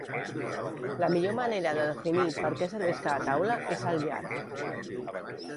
La millor manera de definir perquè serveix cada taula és el llarg.